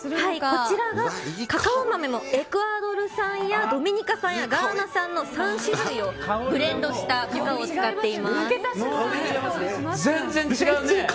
こちら、カカオ豆もエクアドル産やドミニカ産ガーナ産の３種類をブレンドした全然違うね！